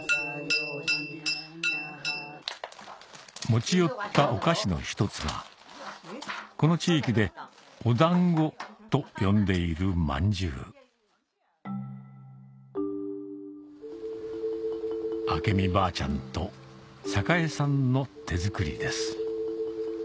持ち寄ったお菓子の１つがこの地域で「お団子」と呼んでいる饅頭明美ばあちゃんとさかえさんの手作りです